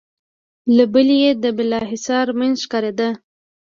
له بلې يې د بالاحصار مينځ ښکارېده.